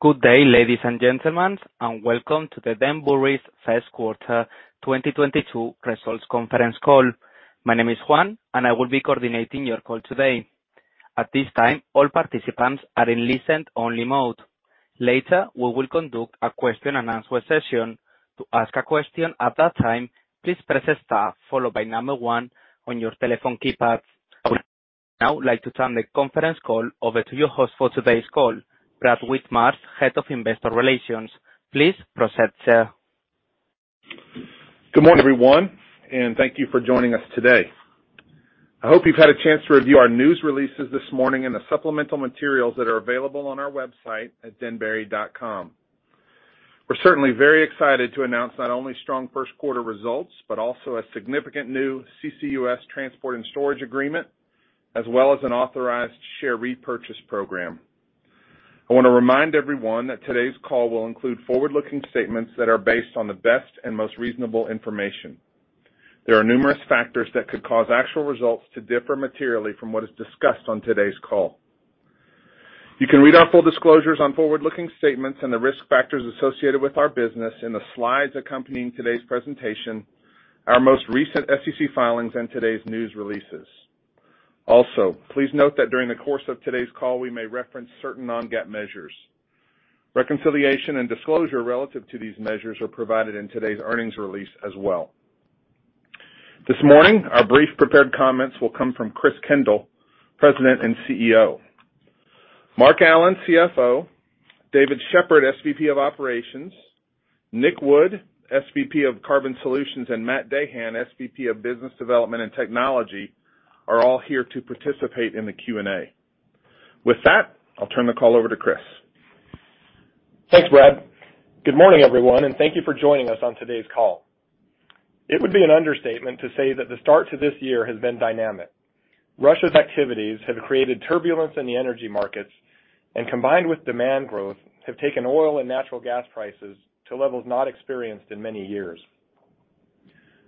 Good day, ladies and gentlemen, and welcome to Denbury's first quarter 2022 results conference call. My name is Juan, and I will be coordinating your call today. At this time, all participants are in listen-only mode. Later, we will conduct a question-and-answer session. To ask a question at that time, please press star followed by number one on your telephone keypad. I would now like to turn the conference call over to your host for today's call, Brad Whitmarsh, Head of Investor Relations. Please proceed, sir. Good morning, everyone, and thank you for joining us today. I hope you've had a chance to review our news releases this morning and the supplemental materials that are available on our website at denbury.com. We're certainly very excited to announce not only strong first quarter results, but also a significant new CCUS transport and storage agreement, as well as an authorized share repurchase program. I wanna remind everyone that today's call will include forward-looking statements that are based on the best and most reasonable information. There are numerous factors that could cause actual results to differ materially from what is discussed on today's call. You can read our full disclosures on forward-looking statements and the risk factors associated with our business in the slides accompanying today's presentation, our most recent SEC filings, and today's news releases. Please note that during the course of today's call, we may reference certain non-GAAP measures. Reconciliation and disclosure relative to these measures are provided in today's earnings release as well. This morning, our brief prepared comments will come from Chris Kendall, President and CEO. Mark Allen, CFO, David Sheppard, SVP of Operations, Nikulas Wood, SVP of Carbon Solutions, and Matt Dahan, SVP of Business Development and Technology, are all here to participate in the Q&A. With that, I'll turn the call over to Chris. Thanks, Brad. Good morning, everyone, and thank you for joining us on today's call. It would be an understatement to say that the start to this year has been dynamic. Russia's activities have created turbulence in the energy markets, and combined with demand growth, have taken oil and natural gas prices to levels not experienced in many years.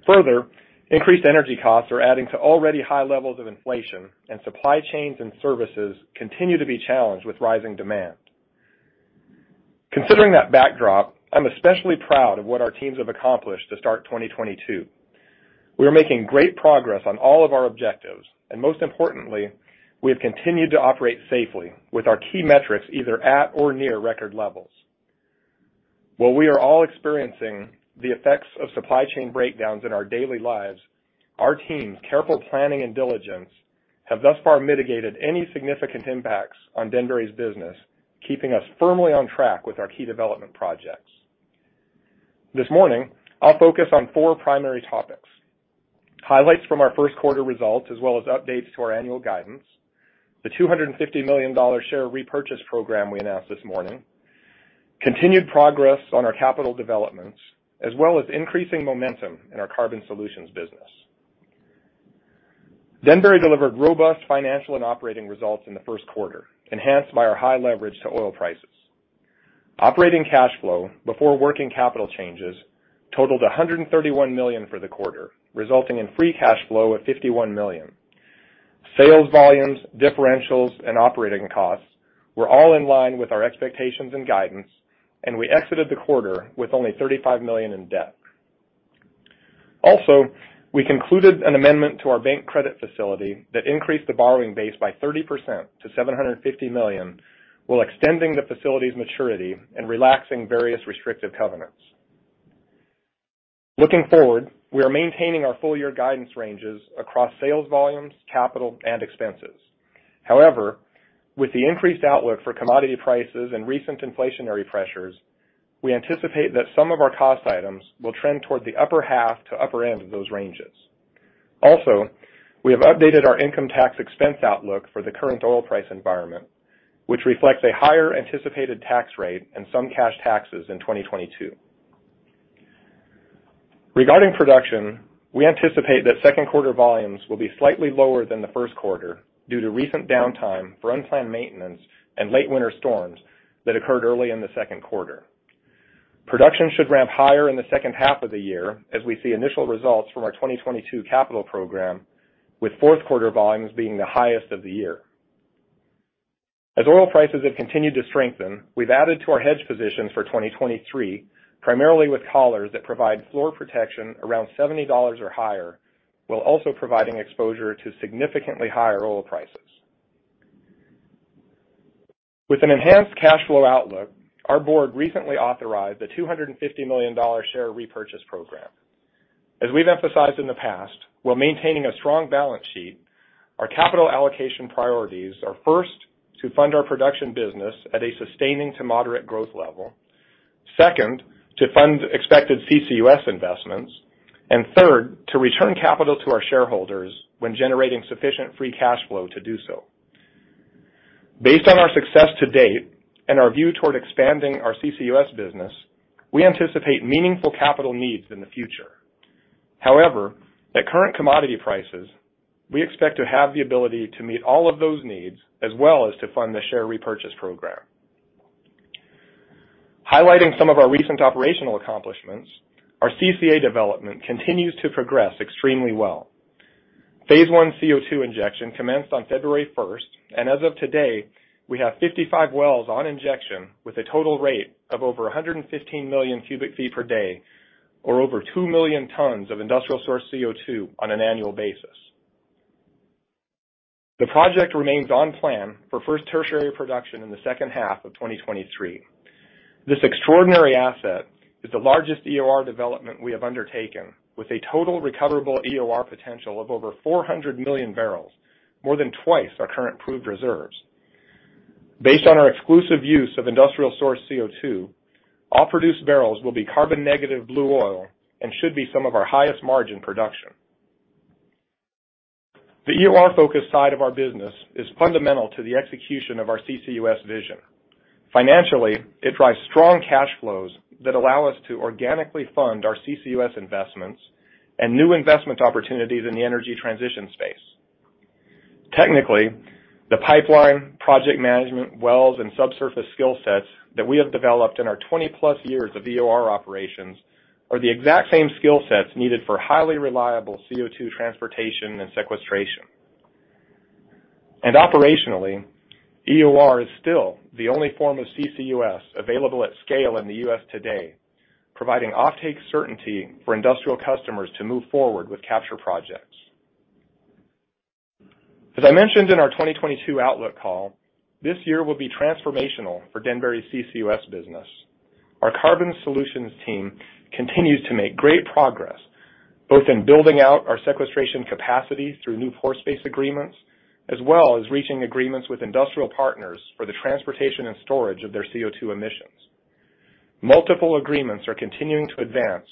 Further, increased energy costs are adding to already high levels of inflation, and supply chains and services continue to be challenged with rising demand. Considering that backdrop, I'm especially proud of what our teams have accomplished to start 2022. We are making great progress on all of our objectives, and most importantly, we have continued to operate safely with our key metrics either at or near record levels. While we are all experiencing the effects of supply chain breakdowns in our daily lives, our team's careful planning and diligence have thus far mitigated any significant impacts on Denbury's business, keeping us firmly on track with our key development projects. This morning, I'll focus on four primary topics. Highlights from our first quarter results, as well as updates to our annual guidance, the $250 million share repurchase program we announced this morning, continued progress on our capital developments, as well as increasing momentum in our carbon solutions business. Denbury delivered robust financial and operating results in the first quarter, enhanced by our high leverage to oil prices. Operating cash flow before working capital changes totaled $131 million for the quarter, resulting in free cash flow of $51 million. Sales volumes, differentials, and operating costs were all in line with our expectations and guidance, and we exited the quarter with only $35 million in debt. Also, we concluded an amendment to our bank credit facility that increased the borrowing base by 30% to $750 million, while extending the facility's maturity and relaxing various restrictive covenants. Looking forward, we are maintaining our full year guidance ranges across sales volumes, capital, and expenses. However, with the increased outlook for commodity prices and recent inflationary pressures, we anticipate that some of our cost items will trend toward the upper half to upper end of those ranges. Also, we have updated our income tax expense outlook for the current oil price environment, which reflects a higher anticipated tax rate and some cash taxes in 2022. Regarding production, we anticipate that second quarter volumes will be slightly lower than the first quarter due to recent downtime for unplanned maintenance and late winter storms that occurred early in the second quarter. Production should ramp higher in the second half of the year as we see initial results from our 2022 capital program, with fourth quarter volumes being the highest of the year. As oil prices have continued to strengthen, we've added to our hedge positions for 2023, primarily with collars that provide floor protection around $70 or higher, while also providing exposure to significantly higher oil prices. With an enhanced cash flow outlook, our board recently authorized a $250 million share repurchase program. As we've emphasized in the past, while maintaining a strong balance sheet, our capital allocation priorities are, first, to fund our production business at a sustaining to moderate growth level. Second, to fund expected CCUS investments. Third, to return capital to our shareholders when generating sufficient free cash flow to do so. Based on our success to date and our view toward expanding our CCUS business, we anticipate meaningful capital needs in the future. However, at current commodity prices, we expect to have the ability to meet all of those needs as well as to fund the share repurchase program. Highlighting some of our recent operational accomplishments, our CCA development continues to progress extremely well. Phase one CO2 injection commenced on February 1st, and as of today, we have 55 wells on injection with a total rate of over 115 million cubic feet per day, or over two million tons of industrial source CO2 on an annual basis. The project remains on plan for first tertiary production in the second half of 2023. This extraordinary asset is the largest EOR development we have undertaken, with a total recoverable EOR potential of over 400 million barrels, more than twice our current proved reserves. Based on our exclusive use of industrial source CO2, all produced barrels will be carbon-negative Blue Oil and should be some of our highest margin production. The EOR-focused side of our business is fundamental to the execution of our CCUS vision. Financially, it drives strong cash flows that allow us to organically fund our CCUS investments and new investment opportunities in the energy transition space. Technically, the pipeline project management wells and subsurface skill sets that we have developed in our 20+ years of EOR operations are the exact same skill sets needed for highly reliable CO2 transportation and sequestration. Operationally, EOR is still the only form of CCUS available at scale in the U.S. today, providing offtake certainty for industrial customers to move forward with capture projects. As I mentioned in our 2022 outlook call, this year will be transformational for Denbury's CCUS business. Our carbon solutions team continues to make great progress, both in building out our sequestration capacity through new pore space agreements, as well as reaching agreements with industrial partners for the transportation and storage of their CO2 emissions. Multiple agreements are continuing to advance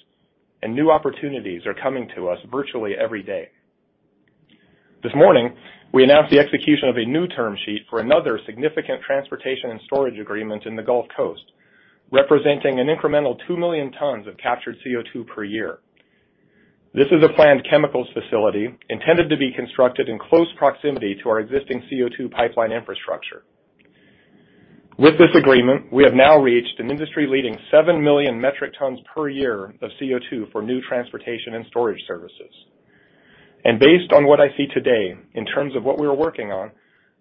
and new opportunities are coming to us virtually every day. This morning, we announced the execution of a new term sheet for another significant transportation and storage agreement in the Gulf Coast, representing an incremental two million tons of captured CO2 per year. This is a planned chemicals facility intended to be constructed in close proximity to our existing CO2 pipeline infrastructure. With this agreement, we have now reached an industry-leading seven million metric tons per year of CO2 for new transportation and storage services. Based on what I see today in terms of what we're working on,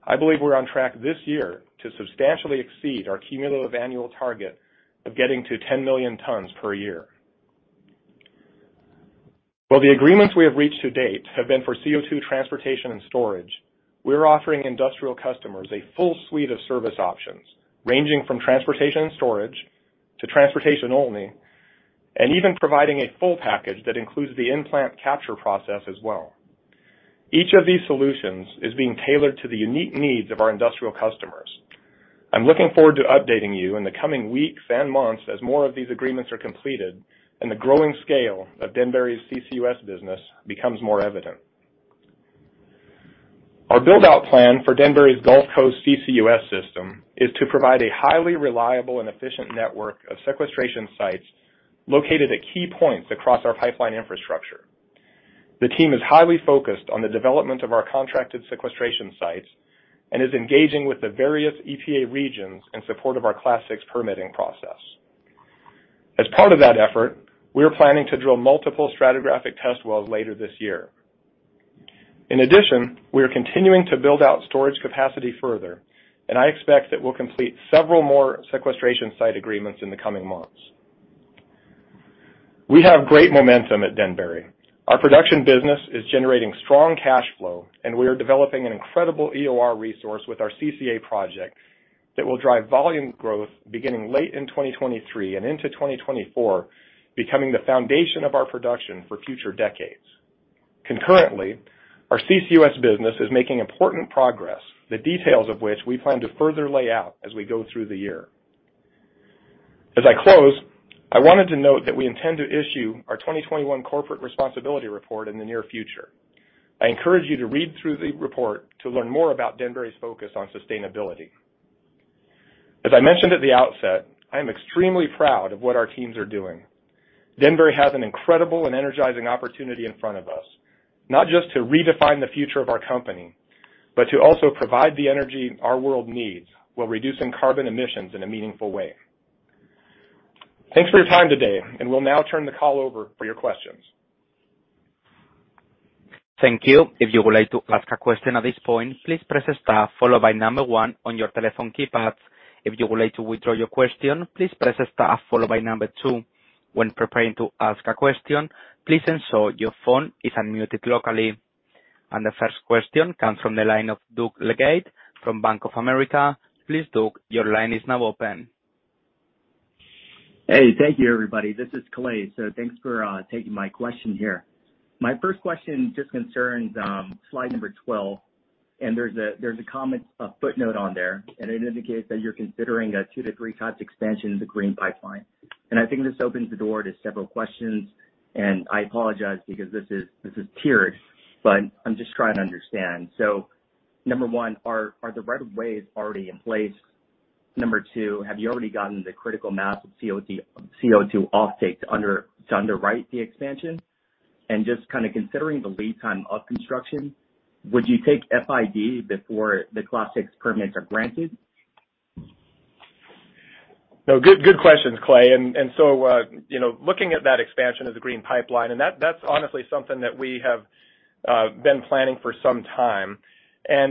I believe we're on track this year to substantially exceed our cumulative annual target of getting to 10 million tons per year. While the agreements we have reached to date have been for CO2 transportation and storage, we're offering industrial customers a full suite of service options ranging from transportation and storage to transportation only, and even providing a full package that includes the in-plant capture process as well. Each of these solutions is being tailored to the unique needs of our industrial customers. I'm looking forward to updating you in the coming weeks and months as more of these agreements are completed and the growing scale of Denbury's CCUS business becomes more evident. Our build-out plan for Denbury's Gulf Coast CCUS system is to provide a highly reliable and efficient network of sequestration sites located at key points across our pipeline infrastructure. The team is highly focused on the development of our contracted sequestration sites and is engaging with the various EPA regions in support of our Class VI permitting process. As part of that effort, we are planning to drill multiple stratigraphic test wells later this year. In addition, we are continuing to build out storage capacity further, and I expect that we'll complete several more sequestration site agreements in the coming months. We have great momentum at Denbury. Our production business is generating strong cash flow, and we are developing an incredible EOR resource with our CCA project that will drive volume growth beginning late in 2023 and into 2024, becoming the foundation of our production for future decades. Concurrently, our CCUS business is making important progress, the details of which we plan to further lay out as we go through the year. As I close, I wanted to note that we intend to issue our 2021 corporate responsibility report in the near future. I encourage you to read through the report to learn more about Denbury's focus on sustainability. As I mentioned at the outset, I am extremely proud of what our teams are doing. Denbury has an incredible and energizing opportunity in front of us, not just to redefine the future of our company, but to also provide the energy our world needs while reducing carbon emissions in a meaningful way. Thanks for your time today, and we'll now turn the call over for your questions. Thank you. If you would like to ask a question at this point, please press star followed by number one on your telephone keypad. If you would like to withdraw your question, please press star followed by number two. When preparing to ask a question, please ensure your phone is unmuted locally. The first question comes from the line of Doug Leggate from Bank of America. Please, Doug, your line is now open. Hey, thank you everybody. This is Clay. Thanks for taking my question here. My first question just concerns slide number 12, and there's a comment, a footnote on there, and it indicates that you're considering a two-three tops expansion in the Green Pipeline. I think this opens the door to several questions, and I apologize because this is tiered, but I'm just trying to understand. Number one, are the rights-of-way already in place? Number two, have you already gotten the critical mass of CO2 offtakes to underwrite the expansion? Just kind of considering the lead time of construction, would you take FID before the Class VI permits are granted? Good questions, Clay. You know, looking at that expansion of the Green Pipeline, that's honestly something that we have been planning for some time.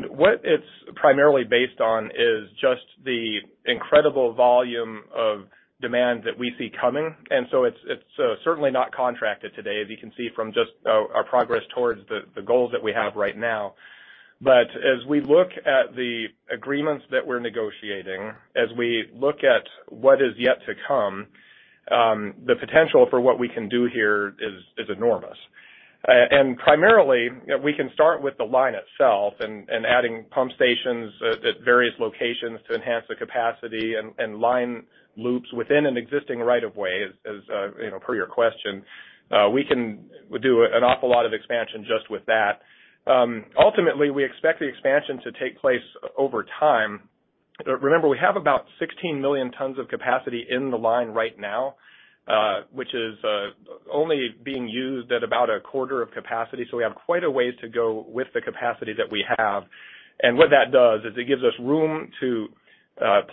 What it's primarily based on is just the incredible volume of demand that we see coming. It's certainly not contracted today, as you can see from just our progress towards the goals that we have right now. But as we look at the agreements that we're negotiating, as we look at what is yet to come, the potential for what we can do here is enormous. Primarily, you know, we can start with the line itself and adding pump stations at various locations to enhance the capacity and line loops within an existing right of way, as you know, per your question. We can do an awful lot of expansion just with that. Ultimately, we expect the expansion to take place over time. Remember, we have about 16 million tons of capacity in the line right now, which is only being used at about a quarter of capacity. We have quite a ways to go with the capacity that we have. What that does is it gives us room to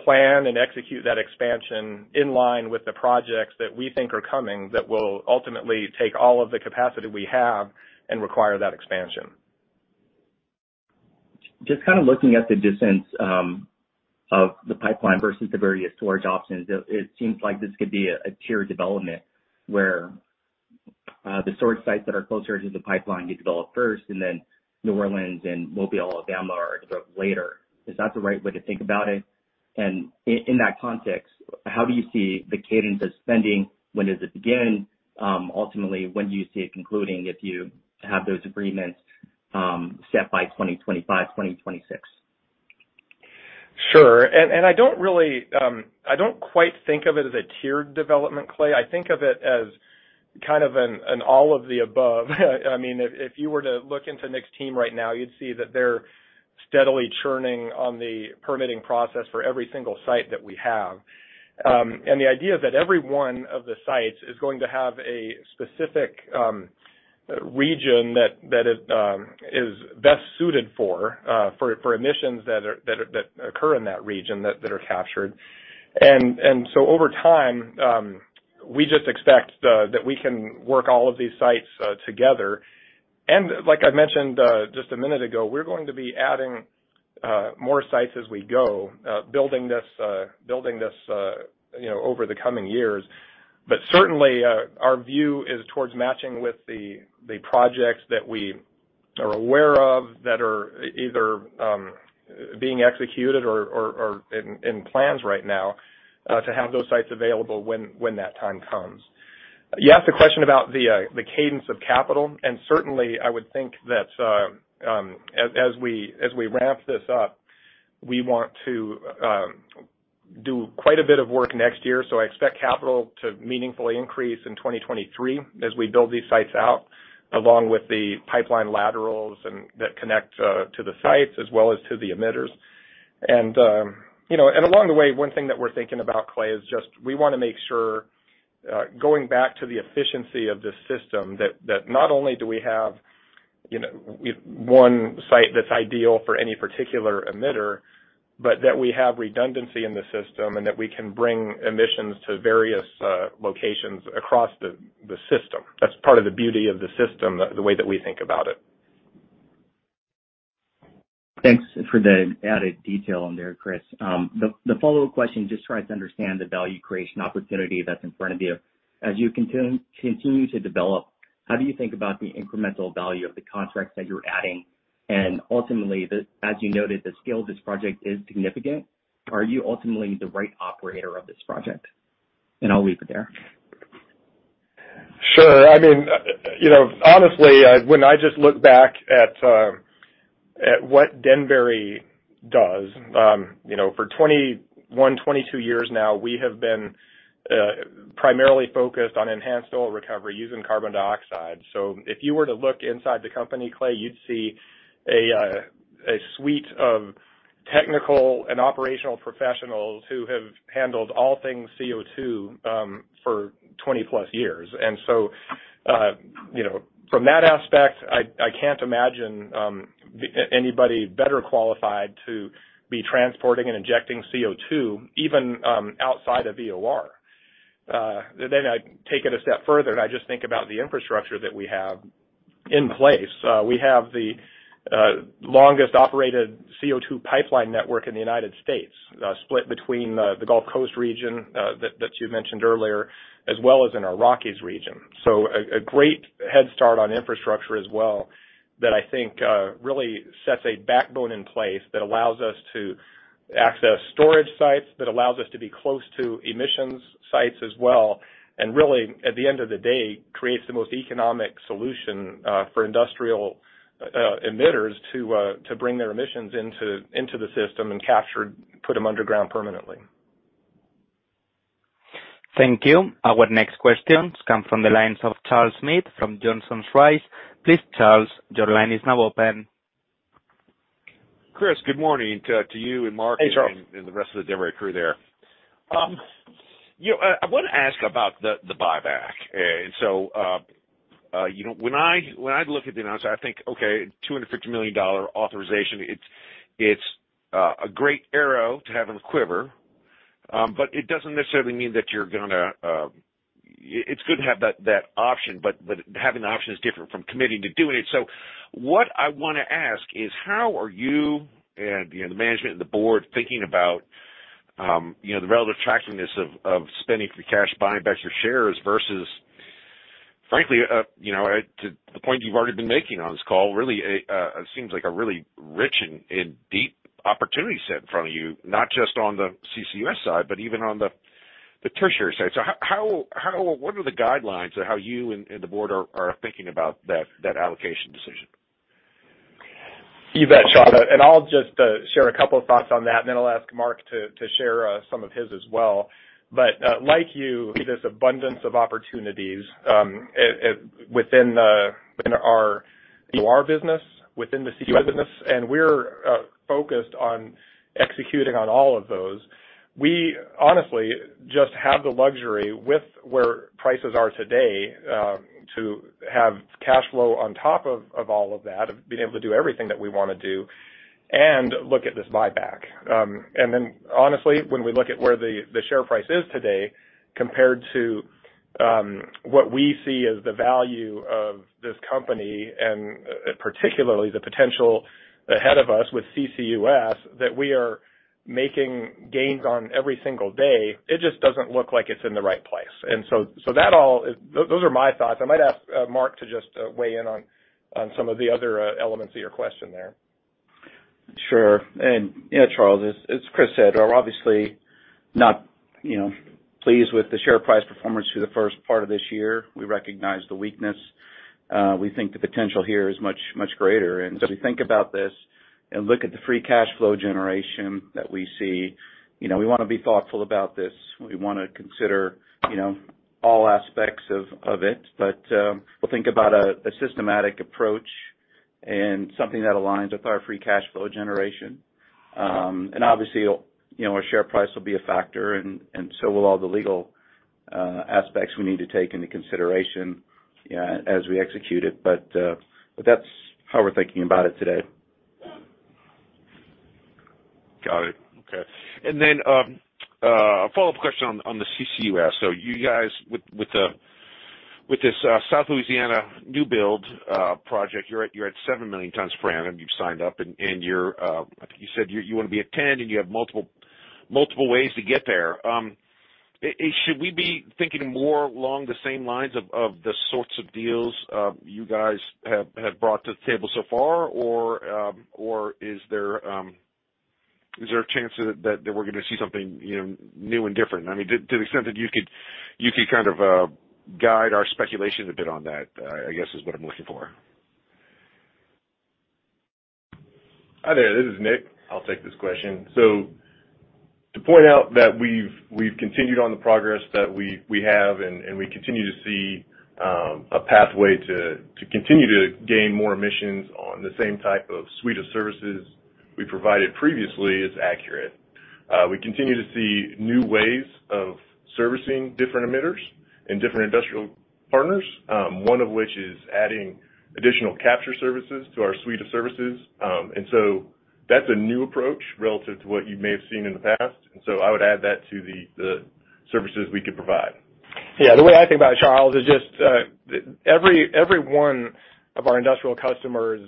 plan and execute that expansion in line with the projects that we think are coming that will ultimately take all of the capacity we have and require that expansion. Just kind of looking at the distance of the pipeline versus the various storage options, it seems like this could be a tier development where the storage sites that are closer to the pipeline get developed first, and then New Orleans and Mobile, Alabama, are developed later. Is that the right way to think about it? In that context, how do you see the cadence of spending? When does it begin? Ultimately, when do you see it concluding if you have those agreements set by 2025, 2026? Sure. I don't quite think of it as a tiered development, Clay. I think of it as kind of an all of the above. I mean, if you were to look into Nik's team right now, you'd see that they're steadily churning on the permitting process for every single site that we have. The idea that every one of the sites is going to have a specific region that it is best suited for emissions that occur in that region that are captured. Over time, we just expect that we can work all of these sites together. Like I mentioned just a minute ago, we're going to be adding more sites as we go, building this you know over the coming years. Certainly our view is towards matching with the projects that we are aware of that are either being executed or in plans right now to have those sites available when that time comes. You asked a question about the cadence of capital, and certainly I would think that as we ramp this up, we want to do quite a bit of work next year. I expect capital to meaningfully increase in 2023 as we build these sites out, along with the pipeline laterals that connect to the sites as well as to the emitters. You know, and along the way, one thing that we're thinking about, Clay, is just we wanna make sure, going back to the efficiency of this system, that not only do we have, you know, one site that's ideal for any particular emitter, but that we have redundancy in the system, and that we can bring emissions to various locations across the system. That's part of the beauty of the system, the way that we think about it. Thanks for the added detail on there, Chris. The follow-up question just tries to understand the value creation opportunity that's in front of you. As you continue to develop, how do you think about the incremental value of the contracts that you're adding? Ultimately, as you noted, the scale of this project is significant. Are you ultimately the right operator of this project? I'll leave it there. Sure. I mean, you know, honestly, when I just look back at what Denbury does, you know, for 21-22 years now, we have been primarily focused on enhanced oil recovery using carbon dioxide. If you were to look inside the company, Clay, you'd see a suite of technical and operational professionals who have handled all things CO2 for 20+ years. You know, from that aspect, I can't imagine anybody better qualified to be transporting and injecting CO2 even outside of EOR. I take it a step further, and I just think about the infrastructure that we have in place. We have the longest operated CO2 pipeline network in the United States, split between the Gulf Coast region that you mentioned earlier, as well as in our Rockies region. A great head start on infrastructure as well that I think really sets a backbone in place that allows us to access storage sites, that allows us to be close to emissions sites as well, and really, at the end of the day, creates the most economic solution for industrial emitters to bring their emissions into the system and put them underground permanently. Thank you. Our next questions come from the lines of Charles Meade from Johnson Rice & Company. Please, Charles, your line is now open. Chris, good morning to you and Mark. Hey, Charles. the rest of the Denbury crew there. I want to ask about the buyback. You know, when I look at the announcement, I think, okay, $250 million authorization. It's a great arrow to have in the quiver, but it doesn't necessarily mean that you're gonna. It's good to have that option, but having the option is different from committing to doing it. What I wanna ask is how are you and, you know, the management and the board thinking about, you know, the relative attractiveness of spending for cash buying back your shares versus frankly, to the point you've already been making on this call, really it seems like a really rich and deep opportunity set in front of you, not just on the CCUS side, but even on the tertiary side. What are the guidelines of how you and the board are thinking about that allocation decision? You bet, Charles. I'll just share a couple of thoughts on that, and then I'll ask Mark to share some of his as well. Like you, this abundance of opportunities within our EOR business, within the CCUS business, and we're focused on executing on all of those. We honestly just have the luxury with where prices are today to have cash flow on top of all of that, of being able to do everything that we wanna do and look at this buyback. Honestly, when we look at where the share price is today compared to what we see as the value of this company, and particularly the potential ahead of us with CCUS that we are making gains on every single day, it just doesn't look like it's in the right place. Those are my thoughts. I might ask Mark to just weigh in on some of the other elements of your question there. Sure. You know, Charles, as Chris said, we're obviously not, you know, pleased with the share price performance through the first part of this year. We recognize the weakness. We think the potential here is much, much greater. As we think about this and look at the free cash flow generation that we see, you know, we wanna be thoughtful about this. We wanna consider, you know, all aspects of it. We'll think about a systematic approach and something that aligns with our free cash flow generation. And obviously, you know, our share price will be a factor and so will all the legal aspects we need to take into consideration as we execute it. But that's how we're thinking about it today. Got it. Okay. Then a follow-up question on the CCUS. You guys, with this South Louisiana new build project, you're at seven million tons per annum, you've signed up and you're, I think you said you wanna be at 10, and you have multiple ways to get there. Should we be thinking more along the same lines of the sorts of deals you guys have brought to the table so far? Or is there a chance that we're gonna see something, you know, new and different? I mean, to the extent that you could kind of guide our speculation a bit on that, I guess is what I'm looking for. Hi there. This is Nik Wood. I'll take this question. To point out that we've continued on the progress that we have and we continue to see a pathway to continue to gain more emissions on the same type of suite of services we provided previously is accurate. We continue to see new ways of servicing different emitters and different industrial partners, one of which is adding additional capture services to our suite of services. That's a new approach relative to what you may have seen in the past. I would add that to the services we could provide. Yeah. The way I think about it, Charles, is just every one of our industrial customers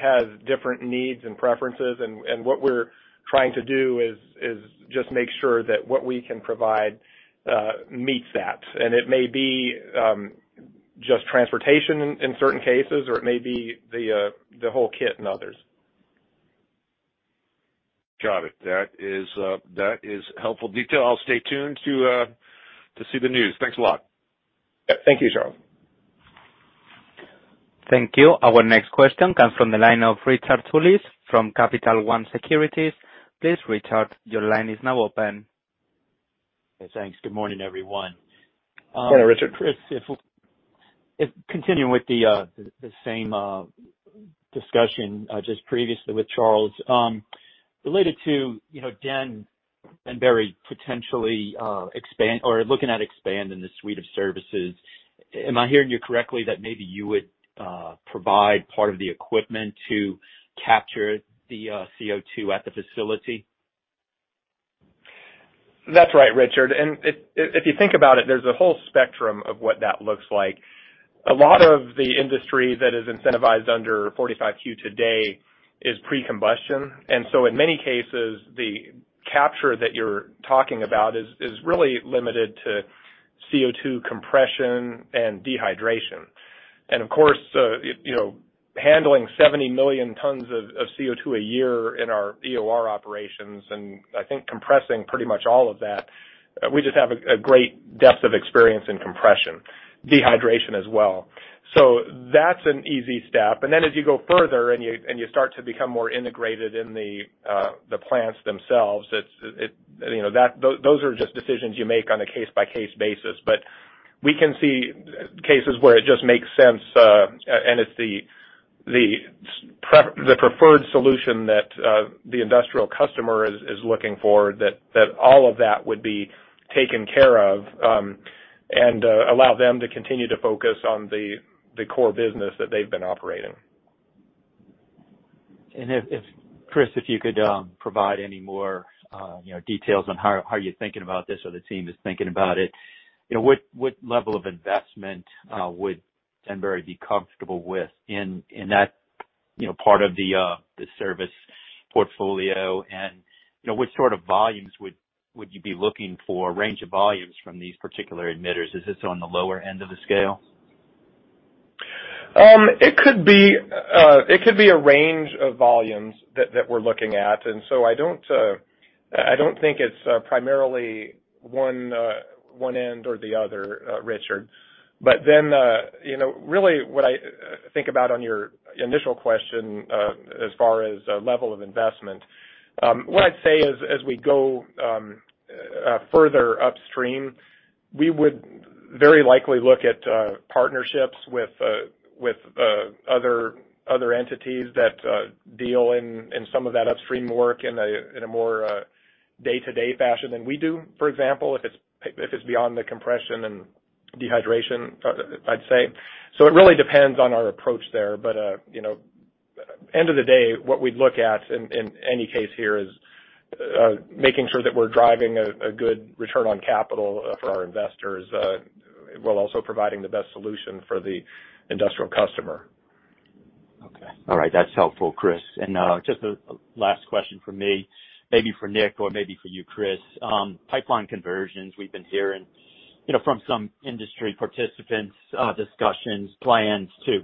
has different needs and preferences. What we're trying to do is just make sure that what we can provide meets that. It may be just transportation in certain cases, or it may be the whole kit in others. Got it. That is helpful detail. I'll stay tuned to see the news. Thanks a lot. Yeah. Thank you, Charles. Thank you. Our next question comes from the line of Richard Tullis from Capital One Securities. Please, Richard, your line is now open. Thanks. Good morning, everyone. Morning, Richard. Chris, if continuing with the same discussion just previously with Charles Meade, related to, you know, Denbury potentially expand or looking at expanding the suite of services. Am I hearing you correctly that maybe you would provide part of the equipment to capture the CO2 at the facility? That's right, Richard. If you think about it, there's a whole spectrum of what that looks like. A lot of the industry that is incentivized under 45Q today is pre-combustion. In many cases, the capture that you're talking about is really limited to CO2 compression and dehydration. Of course, you know, handling 70 million tons of CO2 a year in our EOR operations, and I think compressing pretty much all of that, we just have a great depth of experience in compression, dehydration as well. That's an easy step. Then as you go further and you start to become more integrated in the plants themselves, it's, you know, those are just decisions you make on a case-by-case basis. We can see cases where it just makes sense, and it's the preferred solution that the industrial customer is looking for that all of that would be taken care of, and allow them to continue to focus on the core business that they've been operating. If you could provide any more, you know, details on how you're thinking about this or the team is thinking about it. You know, what level of investment would Denbury be comfortable with in that, you know, part of the service portfolio? You know, what sort of volumes would you be looking for range of volumes from these particular emitters? Is this on the lower end of the scale? It could be a range of volumes that we're looking at. I don't think it's primarily one end or the other, Richard. You know, really what I think about on your initial question, as far as level of investment, what I'd say is, as we go further upstream, we would very likely look at partnerships with other entities that deal in some of that upstream work in a more day-to-day fashion than we do. For example, if it's beyond the compression and dehydration, I'd say. It really depends on our approach there. You know, end of the day, what we'd look at in any case here is making sure that we're driving a good return on capital for our investors, while also providing the best solution for the industrial customer. Okay. All right. That's helpful, Chris. Just a last question from me, maybe for Nick or maybe for you, Chris. Pipeline conversions, we've been hearing, you know, from some industry participants, discussions, plans to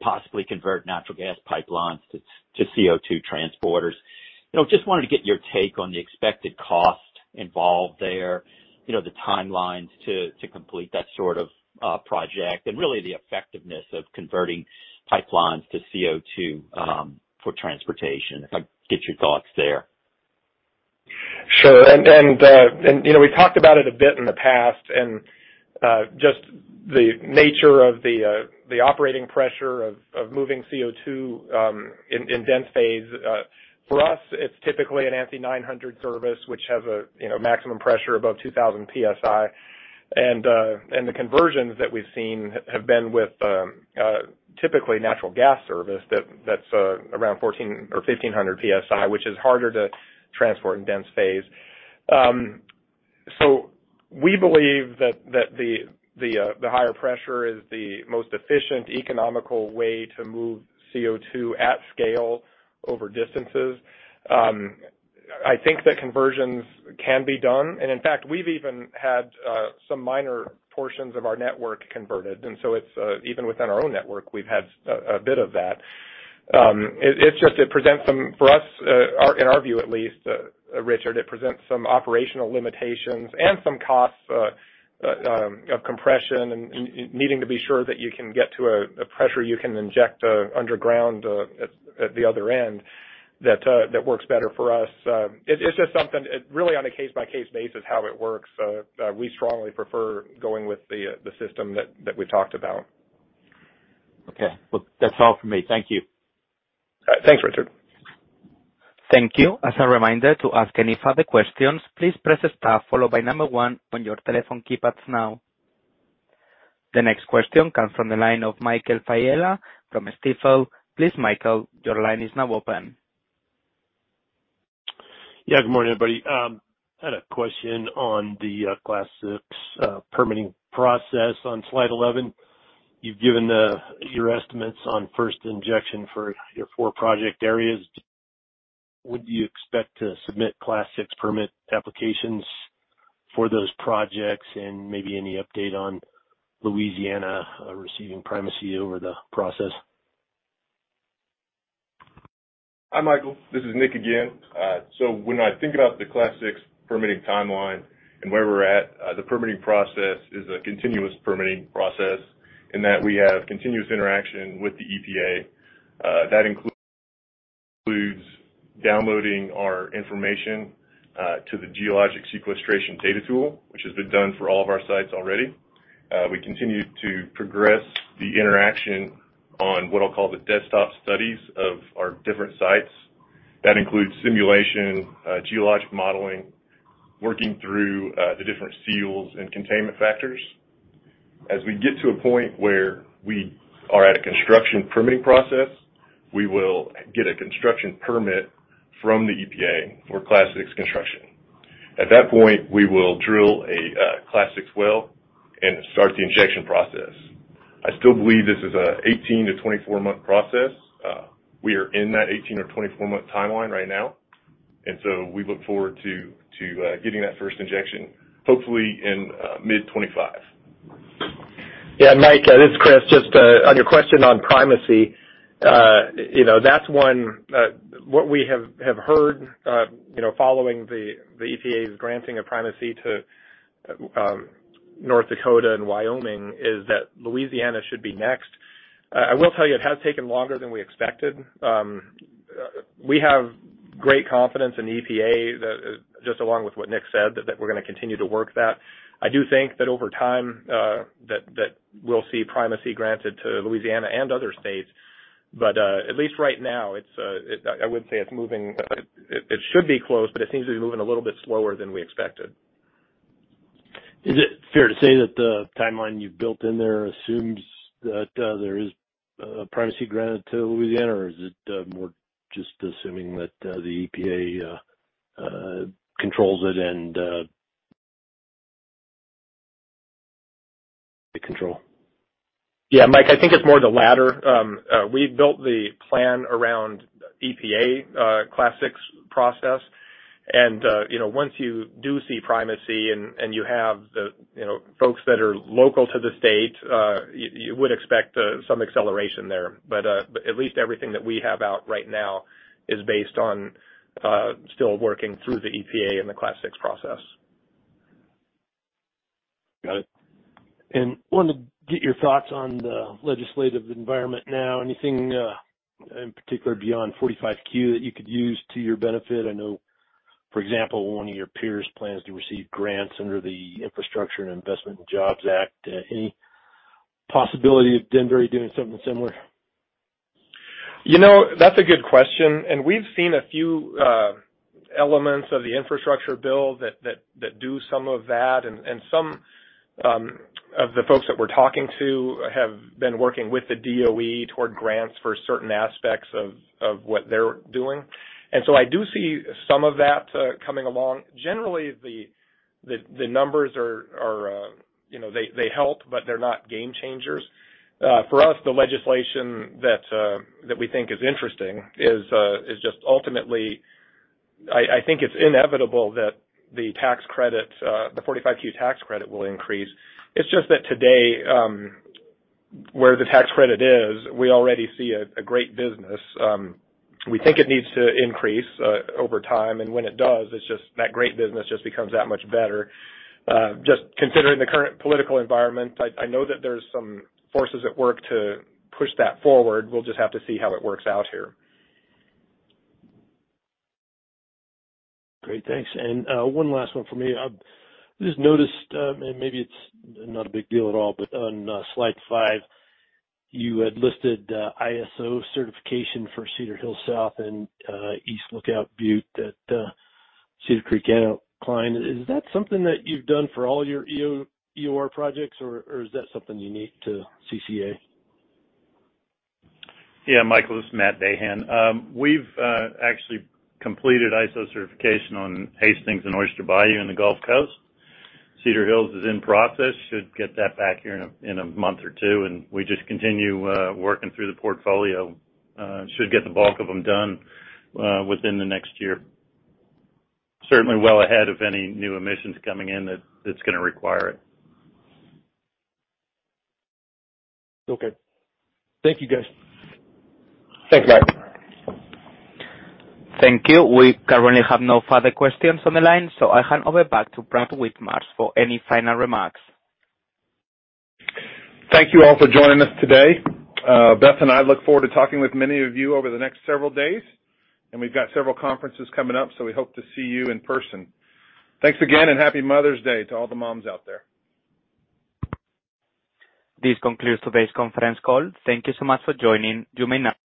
possibly convert natural gas pipelines to CO2 transporters. You know, just wanted to get your take on the expected cost involved there, you know, the timelines to complete that sort of project, and really the effectiveness of converting pipelines to CO2 for transportation. If I can get your thoughts there. Sure. You know, we talked about it a bit in the past, just the nature of the operating pressure of moving CO2 in dense phase. For us, it's typically an ANSI Class 900 service, which has a, you know, maximum pressure above 2,000 PSI. The conversions that we've seen have been with typically natural gas service that's around 1,400 or 1,500 PSI, which is harder to transport in dense phase. We believe that the higher pressure is the most efficient, economical way to move CO2 at scale over distances. I think that conversions can be done. In fact, we've even had some minor portions of our network converted. It is even within our own network, we've had a bit of that. It is just in our view, at least, Richard, it presents some operational limitations and some costs of compression and needing to be sure that you can get to a pressure you can inject underground at the other end that works better for us. It is just something really on a case-by-case basis, how it works. We strongly prefer going with the system that we talked about. Okay. Well, that's all for me. Thank you. Thanks, Richard. Thank you. As a reminder to ask any further questions, please press star followed by one on your telephone keypads now. The next question comes from the line of Michael Scialla from Stifel. Please, Michael, your line is now open. Yeah. Good morning, everybody. I had a question on the Class VI permitting process on slide 11. You've given your estimates on first injection for your four project areas. Would you expect to submit Class VI permit applications for those projects and maybe any update on Louisiana receiving primacy over the process? Hi, Michael. This is Nik again. When I think about the Class VI permitting timeline and where we're at, the permitting process is a continuous permitting process in that we have continuous interaction with the EPA. That includes downloading our information to the Geologic Sequestration Data Tool, which has been done for all of our sites already. We continue to progress the interaction on what I'll call the desktop studies of our different sites. That includes simulation, geologic modeling, working through the different seals and containment factors. As we get to a point where we are at a construction permitting process, we will get a construction permit from the EPA for Class VI construction. At that point, we will drill a Class VI well and start the injection process. I still believe this is an 18-24-month process. We are in that 18 or 24 month timeline right now, and so we look forward to getting that first injection, hopefully in mid-2025. Yeah. Mike, this is Chris. Just, on your question on primacy. You know, that's one. What we have heard, you know, following the EPA's granting of primacy to North Dakota and Wyoming is that Louisiana should be next. I will tell you it has taken longer than we expected. We have great confidence in the EPA that just along with what Nik said, that we're gonna continue to work that. I do think that over time, that we'll see primacy granted to Louisiana and other states. At least right now, it's. I wouldn't say it's moving. It should be close, but it seems to be moving a little bit slower than we expected. Is it fair to say that the timeline you've built in there assumes that there is primacy granted to Louisiana, or is it more just assuming that the EPA controls it and the control? Yeah, Michael, I think it's more the latter. We've built the plan around EPA Class VI process. You know, once you do see primacy and you have the you know, folks that are local to the state, you would expect some acceleration there. At least everything that we have out right now is based on still working through the EPA and the Class VI process. Got it. Wanted to get your thoughts on the legislative environment now. Anything in particular beyond 45Q that you could use to your benefit? I know, for example, one of your peers plans to receive grants under the Infrastructure Investment and Jobs Act. Any possibility of Denbury doing something similar? You know, that's a good question, and we've seen a few elements of the infrastructure bill that do some of that. Some of the folks that we're talking to have been working with the DOE toward grants for certain aspects of what they're doing. I do see some of that coming along. Generally, the numbers are, you know, they help, but they're not game changers. For us, the legislation that we think is interesting is just ultimately I think it's inevitable that the tax credit, the 45Q tax credit will increase. It's just that today, where the tax credit is, we already see a great business. We think it needs to increase over time, and when it does, it's just that great business just becomes that much better. Just considering the current political environment, I know that there's some forces at work to push that forward. We'll just have to see how it works out here. Great. Thanks. One last one for me. I just noticed, maybe it's not a big deal at all, but on slide five, you had listed ISO certification for Cedar Hills South and East Lookout Butte at Cedar Creek Anticline. Is that something that you've done for all your EOR projects, or is that something unique to CCA? Yeah, Michael, this is Matthew Dahan. We've actually completed ISO certification on Hastings and Oyster Bayou in the Gulf Coast. Cedar Hills is in process. Should get that back here in a month or two, and we just continue working through the portfolio. Should get the bulk of them done within the next year. Certainly well ahead of any new emissions coming in that that's gonna require it. Okay. Thank you, guys. Thanks, Michael. Thank you. We currently have no further questions on the line, so I'll hand over back to Brad Whitmarsh for any final remarks. Thank you all for joining us today. Brad and I look forward to talking with many of you over the next several days, and we've got several conferences coming up, so we hope to see you in person. Thanks again, and Happy Mother's Day to all the moms out there. This concludes today's conference call. Thank you so much for joining. You may now.